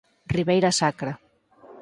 Ribeira Sacra.